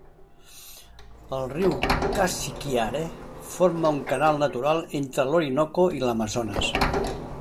El riu Casiquiare forma un canal natural entre l'Orinoco i l'Amazones.